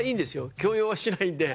強要はしないんで。